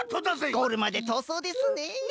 ゴールまでとおそうですね。